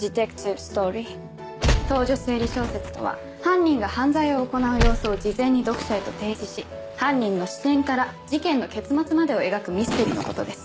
倒叙推理小説とは犯人が犯罪を行う様子を事前に読者へと提示し犯人の視点から事件の結末までを描くミステリのことです。